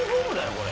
これ。